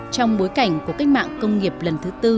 trong bối cảnh của cách mạng công nghiệp lần thứ tư